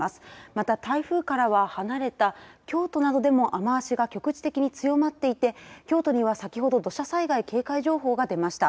また、台風からは離れた京都などでも雨足が局地的に強まっていて京都には先ほど土砂災害警戒情報が出ました。